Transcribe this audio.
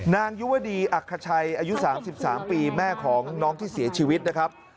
นางยุวดีอักขชัยอายุ๓๓ปีแม่ของน้องที่เสียชีวิตนะครับ